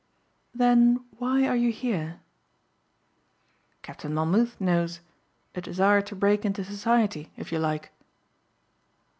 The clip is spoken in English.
"Then why are you here?" "Captain Monmouth knows. A desire to break into society if you like."